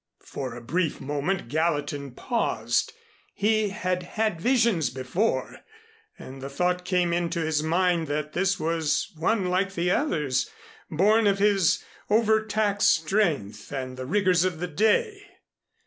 For a brief moment Gallatin paused. He had had visions before, and the thought came into his mind that this was one like the others, born of his overtaxed strength and the rigors of the day.